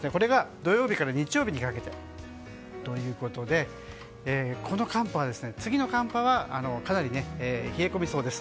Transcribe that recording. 土曜日から日曜日にかけてということで次の寒波はかなり冷え込みそうです。